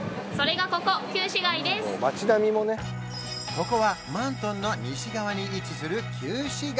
ここはマントンの西側に位置する旧市街